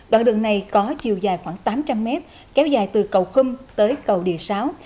đoạn đường này có chiều dài khoảng tám trăm linh mét kéo dài từ cầu khâm tới cầu địa sáu